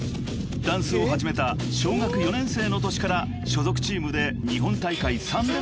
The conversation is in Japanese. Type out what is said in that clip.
［ダンスを始めた小学４年生の年から所属チームで日本大会３連覇を達成］